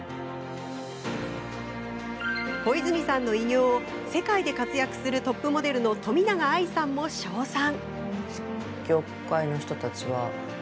小泉さんの偉業を世界で活躍するトップモデルの冨永愛さんも称賛。